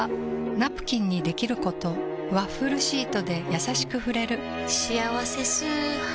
ナプキンにできることワッフルシートでやさしく触れる「しあわせ素肌」